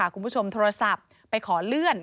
คุณผู้ชมโทรศัพท์ไปขอเลื่อน